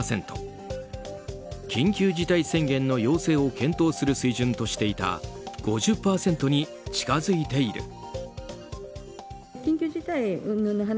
緊急事態宣言の要請を検討する水準としていた５０％に近づいている。